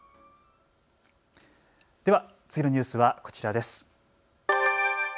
では次のニュースはこちらです。